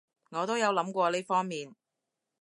我都有諗過呢方面